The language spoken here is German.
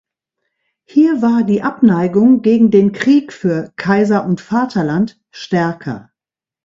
Hier war die Abneigung gegen den Krieg für „Kaiser und Vaterland“ stärker.